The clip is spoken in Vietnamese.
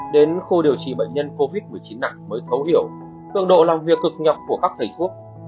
đến khu điều trị bệnh nhân covid một mươi chín nặng mới thấu hiểu tương độ làm việc cực nhọc của các thành phố